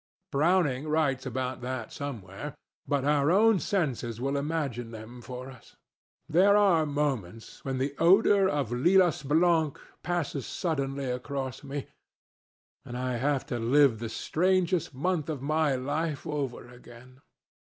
Browning writes about that somewhere; but our own senses will imagine them for us. There are moments when the odour of lilas blanc passes suddenly across me, and I have to live the strangest month of my life over again.